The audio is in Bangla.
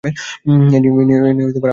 এ নিয়ে আর কোনো ঝামেলা নেই।